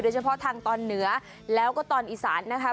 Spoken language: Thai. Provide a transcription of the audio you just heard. เฉพาะทางตอนเหนือแล้วก็ตอนอีสานนะคะ